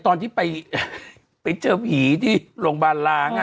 ตอนที่ไปเจอผีที่โรงพยาบาลล้าง